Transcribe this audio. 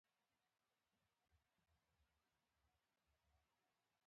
آیا دوی دا توکي نه صادروي؟